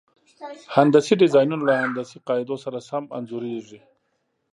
هندسي ډیزاینونه له هندسي قاعدو سره سم انځوریږي.